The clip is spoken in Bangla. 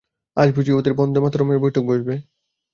আজ বুঝি ওদের বন্দেমাতরমের বৈঠক বসবে!